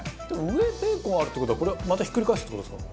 上ベーコンあるって事はこれはまたひっくり返すって事ですか？